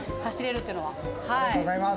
ありがとうございます